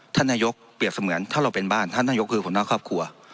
ท่านนายกเปรียบเสมือนถ้าเราเป็นบ้านท่านนายกคือหัวหน้าครอบครัว